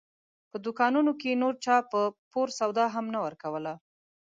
په دوکانونو کې نور چا په پور سودا هم نه ورکوله.